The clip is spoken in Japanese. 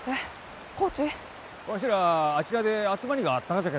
わしらああちらで集まりがあったがじゃけんど。